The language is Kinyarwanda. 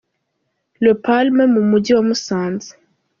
Le Palme mu mujyi wa Musanze.